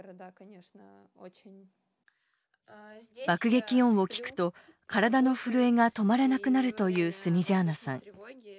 爆撃音を聞くと体の震えが止まらなくなるというスニジャーナさん。